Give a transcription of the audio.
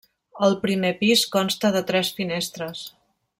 El primer pis consta de tres finestres.